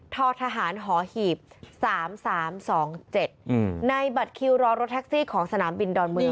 ทอทหารหอหีบสามสามสองเจ็ดอืมในบัตรคิวรอรถแท็กซี่ของสนามบินดอนเมือง